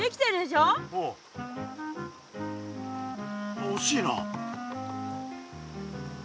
あっおしいな。